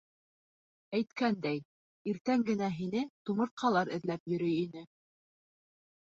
Әйткәндәй, иртән генә һине тумыртҡалар эҙләп йөрөй ине.